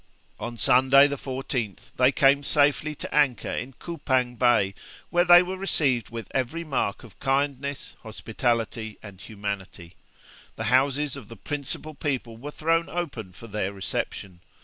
On Sunday the 14th they came safely to anchor in Coupang Bay, where they were received with every mark of kindness, hospitality, and humanity. The houses of the principal people were thrown open for their reception.